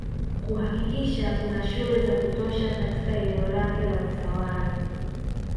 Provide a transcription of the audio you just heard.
Kuhakikisha kuna shule za kutosha katika eneo lake la utawala